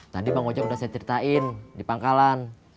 tadi bang ojek udah saya ceritain di pangkalan